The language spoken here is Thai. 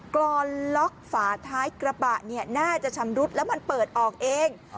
กรอนล็อกฝาท้ายกระบะเนี่ยน่าจะชำรุดแล้วมันเปิดออกเอง